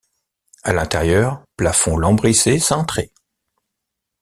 A l'intérieur, plafond lambrissé cintré.